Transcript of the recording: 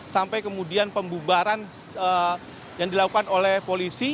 sampai kemudian pembubaran yang dilakukan oleh polisi